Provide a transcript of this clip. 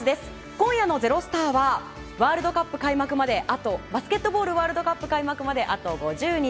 今夜の「＃ｚｅｒｏｓｔａｒ」はバスケットボールワールドカップまであと５０日。